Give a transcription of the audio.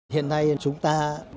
hiện nay chúng ta